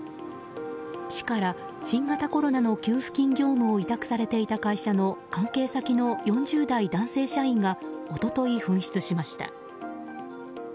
市から新型コロナの給付金業務を委託されていた会社の関係先の４０代男性社員が一昨日、紛失しました。